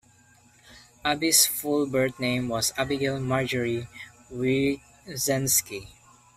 Abby's full birth name is Abigail Marjorie Wyczenski.